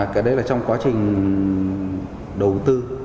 cả đấy là trong quá trình đầu tư